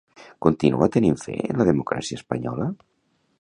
Continua tenint fe en la democràcia espanyola?